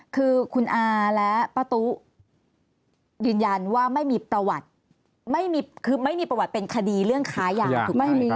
คือคุณอาและป้าตุ๊ยืนยันว่าไม่มีประวัติคือไม่มีประวัติเป็นคดีเรื่องค้ายาถูกไหม